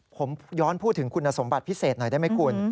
ผมย้อนพูดถึงคุณสมบัติพิเศษหน่อยได้ไหมคุณ